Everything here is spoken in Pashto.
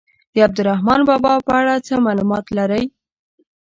د عبدالرحمان بابا په اړه څه معلومات لرئ.